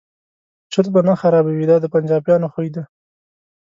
چرت به نه خرابوي دا د پنجابیانو خوی دی.